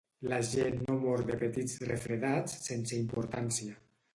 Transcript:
La gent no mor de petits refredats sense importància.